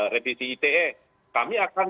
revisi ite kami akan